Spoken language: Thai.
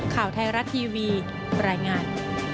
ข่าวไทยรัฐทีวีรายงาน